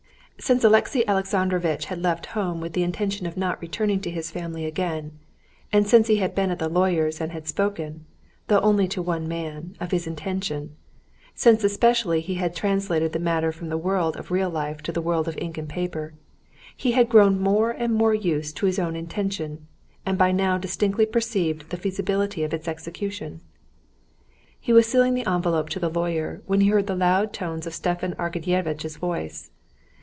Since Alexey Alexandrovitch had left home with the intention of not returning to his family again, and since he had been at the lawyer's and had spoken, though only to one man, of his intention, since especially he had translated the matter from the world of real life to the world of ink and paper, he had grown more and more used to his own intention, and by now distinctly perceived the feasibility of its execution. He was sealing the envelope to the lawyer, when he heard the loud tones of Stepan Arkadyevitch's voice.